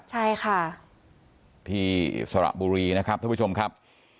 ใช่ค่ะที่สระบุรีนะครับท่านผู้ชมครับ